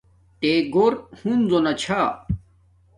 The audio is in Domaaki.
تے گھور ہنزو نا چھا